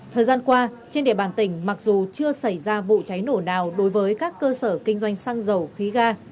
thời gian qua trên địa bàn tỉnh mặc dù chưa xảy ra vụ cháy nổ nào đối với các cơ sở kinh doanh xăng dầu khí ga